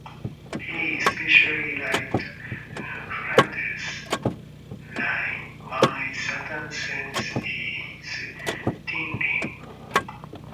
He especially liked Flanders' line My Satan sense is tingling.